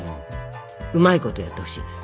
ウマいことやってほしいのよ。